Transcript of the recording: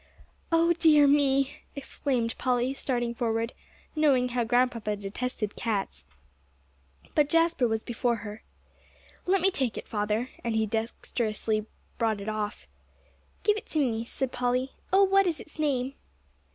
"Oh dear me!" exclaimed Polly, starting forward, knowing how Grandpapa detested cats. But Jasper was before her. "Let me take it, father," and he dexterously brought it off. "Give it to me," said Polly. "Oh, what is its name?"